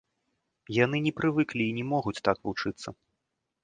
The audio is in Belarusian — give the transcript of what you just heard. Яны не прывыклі і не могуць так вучыцца.